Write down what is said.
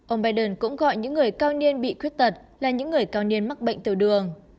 ông biden cũng gọi những người cao niên bị khuyết tật là những người cao niên mắc bệnh tiểu đường